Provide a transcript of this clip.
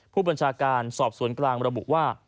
ผู้บัญชาการสอบสวนกลางระบุว่า